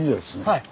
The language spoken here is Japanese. はい。